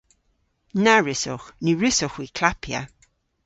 Na wrussowgh. Ny wrussowgh hwi klappya.